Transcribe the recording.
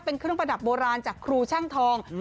เป็นเครื่องประดับโบราณจากครูช่างทอง